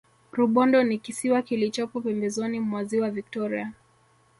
rubondo ni kisiwa kilichopo pembezoni mwa ziwa victoria